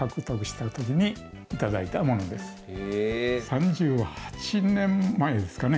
３８年前ですかね。